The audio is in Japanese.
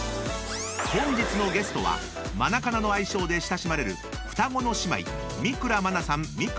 ［本日のゲストはマナカナの愛称で親しまれる双子の姉妹］